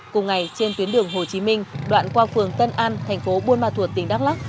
cùng ngày trên tuyến đường hồ chí minh đoạn qua phường tân an thành phố buôn ma thuột tỉnh đắk lắc